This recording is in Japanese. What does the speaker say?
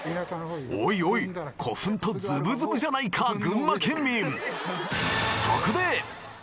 おいおい古墳とズブズブじゃないか群馬県民